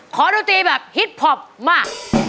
ขอดูตีแบบฮิตพอปมา